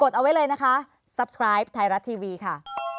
สวัสดีค่ะ